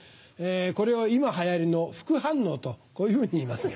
これを今流行りのフク反応とこういうふうに言いますが。